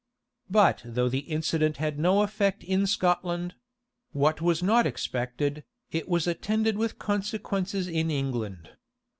But though the incident had no effect In Scotland; what was not expected, it was attended with consequences in England.